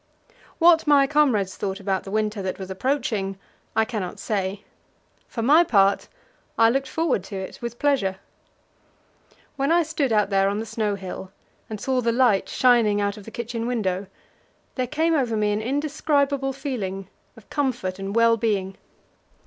What my comrades thought about the winter that was approaching I cannot say; for my part, I looked forward to it with pleasure. When I stood out there on the snow hill, and saw the light shining out of the kitchen window, there came over me an indescribable feeling of comfort and well being.